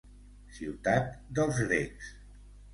"Ciutat dels grecs".